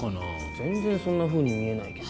全然そんな風に見えないけど。